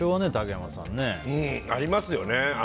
ありますよね。